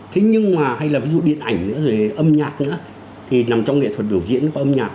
thế nhưng mà hay là ví dụ điện ảnh nữa rồi âm nhạc nữa thì nằm trong nghệ thuật biểu diễn có âm nhạc